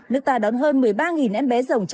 nước ta đón hơn một mươi ba em